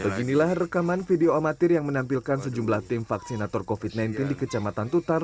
beginilah rekaman video amatir yang menampilkan sejumlah tim vaksinator covid sembilan belas di kecamatan tutar